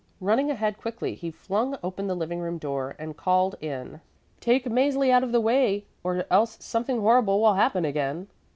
Running ahead quickly, he flung open the living room door and called in, "Take Mäzli out of the way or else something horrible will happen again."